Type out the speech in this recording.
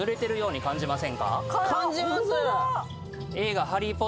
感じます。